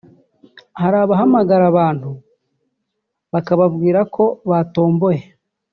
Hari abahamagara abantu bakababwira ko batomboye